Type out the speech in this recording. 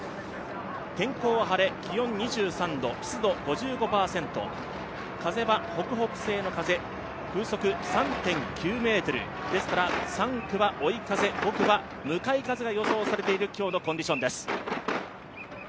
天候は晴れ、気温は２３度、湿度５５％、風は北北西の風、風速３．９メートルですから３区は追い風５区は向かい風が予想されている今日のコンディションです。